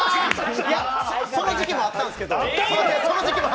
その時期もあったんやけど。